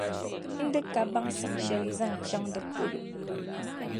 N di ka baŋsim shεli zaŋ chaŋ di polo.